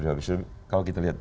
kalau kita lihat